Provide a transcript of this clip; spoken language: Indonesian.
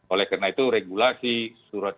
oleh karena itu regulasi surat